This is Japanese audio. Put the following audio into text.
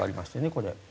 これ。